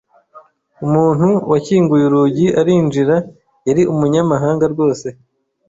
Umuntu wakinguye urugi arinjira yari umunyamahanga rwose.